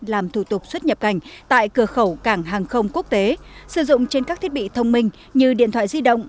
làm thủ tục xuất nhập cảnh tại cửa khẩu cảng hàng không quốc tế sử dụng trên các thiết bị thông minh như điện thoại di động